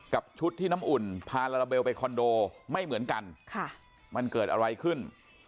กับชุดที่น้ำอุ่นพาลาลาเบลไปคอนโดไม่เหมือนกันมันเกิดอะไรขึ้น